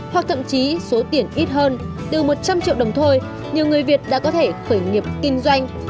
hoặc thậm chí số tiền ít hơn từ một trăm linh triệu đồng thôi nhiều người việt đã có thể khởi nghiệp kinh doanh